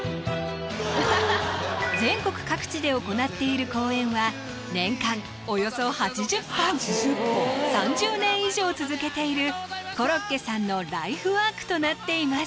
全国各地で行っている公演は年間およそ８０本３０年以上続けているコロッケさんのライフワークとなっています